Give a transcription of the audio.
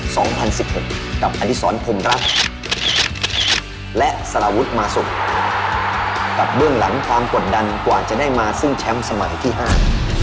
สองพันสิบเอ็ดกับอดิษรพรมรักและสารวุฒิมาสุกกับเบื้องหลังความกดดันกว่าจะได้มาซึ่งแชมป์สมัยที่ห้า